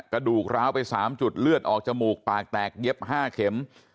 กระดูกร้าวไป๓จุดเลือดออกจมูกปากแตกเย็บ๕เข็ม